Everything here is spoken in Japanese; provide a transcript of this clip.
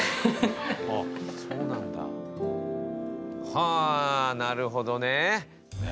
はあなるほどね。ね